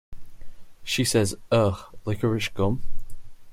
She says, Ugh licorice gum?